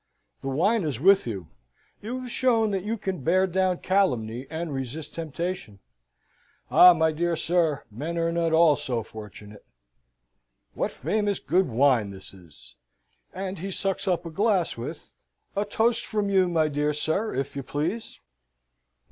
"The wine is with you. You have shown that you can bear down calumny, and resist temptation. Ah! my dear sir, men are not all so fortunate. What famous good wine this is!" and he sucks up a glass with "A toast from you, my dear sir, if you please?"